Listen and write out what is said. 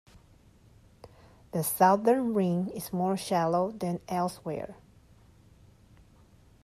The southern rim is more shallow than elsewhere.